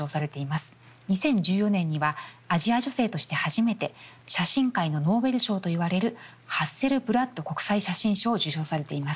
２０１４年にはアジア女性として初めて写真界のノーベル賞といわれるハッセルブラッド国際写真賞を受賞されています。